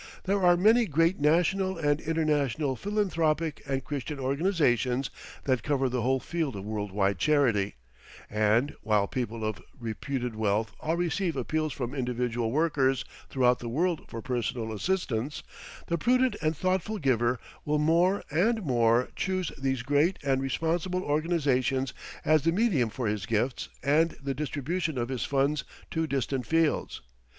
There are many great national and international philanthropic and Christian organizations that cover the whole field of world wide charity; and, while people of reputed wealth all receive appeals from individual workers throughout the world for personal assistance, the prudent and thoughtful giver will, more and more, choose these great and responsible organizations as the medium for his gifts and the distribution of his funds to distant fields.